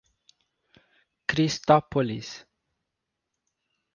Cristópolis